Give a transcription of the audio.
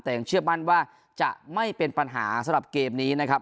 แต่ยังเชื่อมั่นว่าจะไม่เป็นปัญหาสำหรับเกมนี้นะครับ